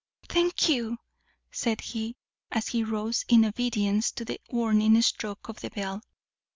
"Thank you!" said he, as he rose in obedience to the warning stroke of the bell.